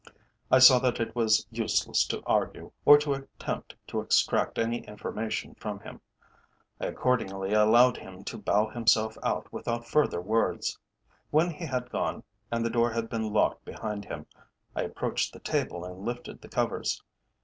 I saw that it was useless to argue, or to attempt to extract any information from him. I accordingly allowed him to bow himself out without further words. When he had gone, and the door had been locked behind him, I approached the table and lifted the covers.